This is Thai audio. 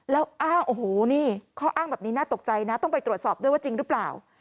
แล้วอ้างโอ้โหนี่ข้ออ้างแบบนี้น่าตกใจนะต้องไปตรวจสอบด้วยว่าจริงหรือเปล่า